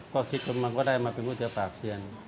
ก็คิดจนมันก็ได้มาเป็นข้างหนีกตาครับเจียง